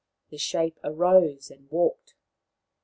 The shape arose and walked.